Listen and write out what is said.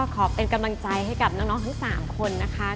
ขอเป็นกำลังใจให้กับน้องทั้ง๓คนนะคะ